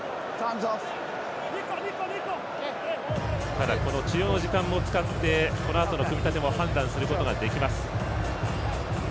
ただ、この治療の時間も使ってこのあとの組み立ても判断することができます。